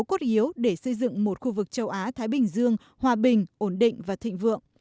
cốt yếu để xây dựng một khu vực châu á thái bình dương hòa bình ổn định và thịnh vượng